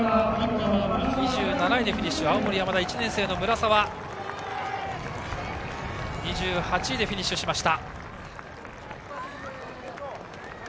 ２７位でフィニッシュ青森山田、１年生の村澤２８位でフィニッシュしました。